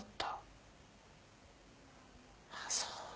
あそう。